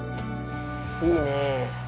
いいねぇ。